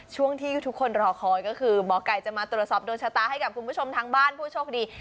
ช่วงที่ทุกคนรอคอยก็คือหมอไก่จะมาตรวจสอบโดนชะตาให้กับคุณผู้ชมทางบ้านผู้โชคดี